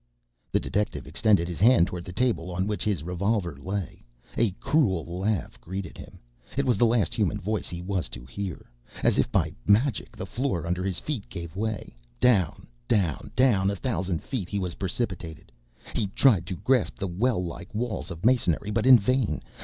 The detective extended his hand toward the table, on which his revolver lay. A cruel laugh greeted him. It was the last human voice he was to hear. As if by magic the floor under his feet gave way. Down, down, down, a thousand feet he was precipitated. He tried to grasp the well like walls of masonry, but in vain.